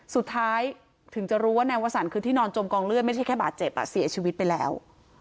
สุดท้ายถึงจะรู้ว่านายวสันคือที่นอนจมกองเลือดไม่ใช่แค่บาดเจ็บเสียชีวิตไปแล้ว